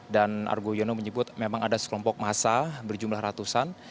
dan argo yono menyebut memang ada sekelompok massa berjumlah ratusan